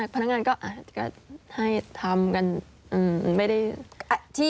พนักงานก็ให้ทำกันไม่ได้ที่